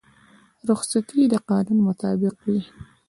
رخصتي د قانون مطابق وي